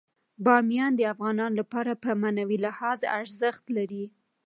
بامیان د افغانانو لپاره په معنوي لحاظ ارزښت لري.